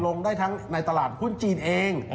ลงได้ทั้งในตลาดหุ้นจีนเอง